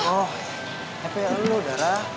oh hp lu dara